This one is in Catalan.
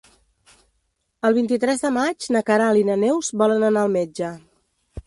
El vint-i-tres de maig na Queralt i na Neus volen anar al metge.